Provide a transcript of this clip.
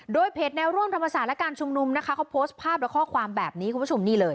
โดยเพจแนวร่วมธรรมศาสตร์และการชุมนุมนะคะเค้าโพสต์ภาพแล้วข้อความแบบนี้